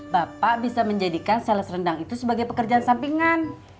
bapak bisa menjadikan sales rendang itu sebagai pekerjaan sampingan